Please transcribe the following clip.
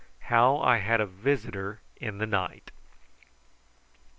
HOW I HAD A VISITOR IN THE NIGHT.